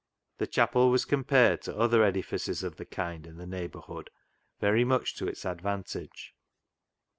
The chapel was compared to other edifices of the kind in the neighbourhood, very much to its advantage.